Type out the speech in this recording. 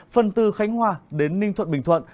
phần từ khánh hòa đến ninh thuận bình thuận